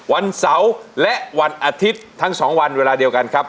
วันเสาร์และวันอาทิตย์ทั้ง๒วันเวลาเดียวกันครับ